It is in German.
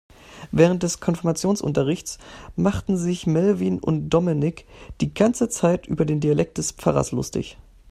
Während des Konfirmationsunterrichts machten sich Melvin und Dominik die ganze Zeit über den Dialekt des Pfarrers lustig.